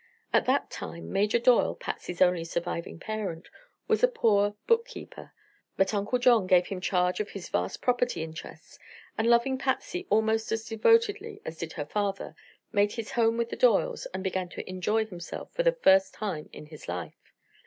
At that time Major Doyle, Patsy's only surviving parent, was a poor bookkeeper; but Uncle John gave him charge of his vast property interests, and loving Patsy almost as devotedly as did her father, made his home with the Doyles and began to enjoy himself for the first time in his life.